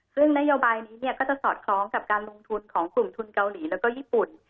ซึ่งนโยบายนี้ก็จะสอดคล้องกับการลงทุนของกลุ่มทุนเกาหลีแล้วก็ญี่ปุ่น